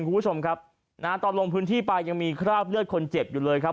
คุณผู้ชมครับนะฮะตอนลงพื้นที่ไปยังมีคราบเลือดคนเจ็บอยู่เลยครับ